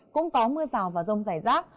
cũng có mưa rào và rông rải rác